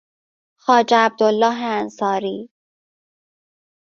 خواجه عبدالله انصاری